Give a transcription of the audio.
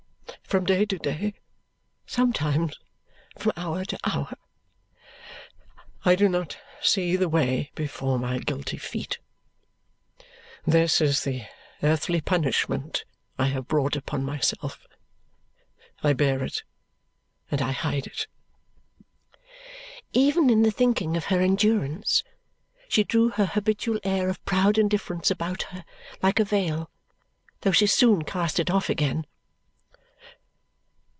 From day to day, sometimes from hour to hour, I do not see the way before my guilty feet. This is the earthly punishment I have brought upon myself. I bear it, and I hide it." Even in the thinking of her endurance, she drew her habitual air of proud indifference about her like a veil, though she soon cast it off again.